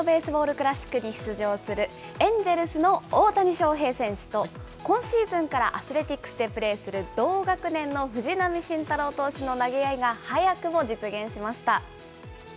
クラシックに出場する、エンジェルスの大谷翔平選手と、今シーズンからアスレティックスでプレーする、同学年の藤浪晋太郎投手の投げ合いが早くも実現しました。